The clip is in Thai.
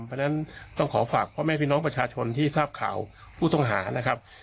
เพราะฉะนั้นต้องขอฝากพ่อแม่พี่น้องประชาชนที่ทราบข่าวผู้ต้องหานะครับ